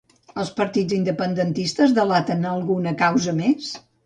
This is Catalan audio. Els partits independentistes delaten alguna causa més?